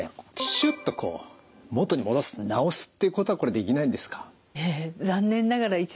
シュッとこう元に戻す治すっていうことはこれできないんですか？